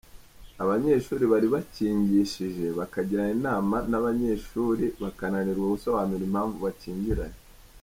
abanyeshuri bari bakingishije, bakagirana inama n’ abanyeshuri bakananirwa gusobanura impamvu bikingiranye.